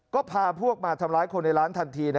ก็พาพวกมาทำร้ายคนในร้านทันที